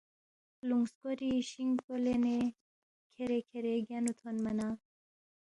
خلُونگ سکوری شین پو لینے کھیرے کھیرے گینُو تھونما نہ